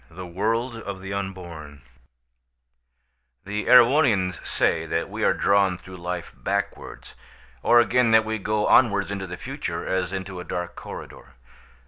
THE WORLD OF THE UNBORN The Erewhonians say that we are drawn through life backwards; or again, that we go onwards into the future as into a dark corridor.